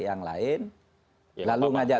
yang lain lalu ngajak